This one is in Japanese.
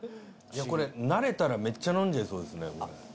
これ慣れたらめっちゃ飲んじゃいそうですね。